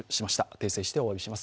訂正しておわびします。